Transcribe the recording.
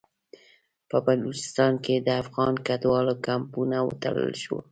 په بلوچستان کې د افغان کډوالو کمپونه وتړل شول.